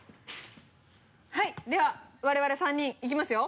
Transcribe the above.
はいでは我々３人いきますよ。